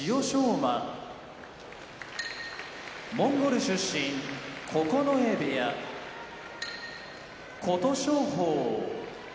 馬モンゴル出身九重部屋琴勝峰